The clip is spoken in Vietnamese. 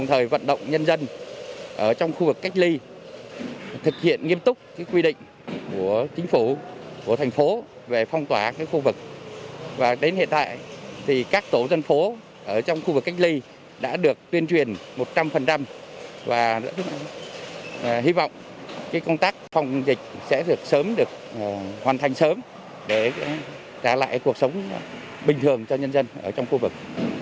hi vọng công tác phòng dịch sẽ được hoàn thành sớm để trả lại cuộc sống bình thường cho nhân dân ở trong khu vực